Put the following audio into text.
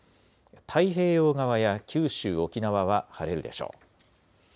太平洋側や九州、沖縄は晴れるでしょう。